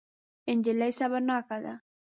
نجلۍ صبرناکه ده.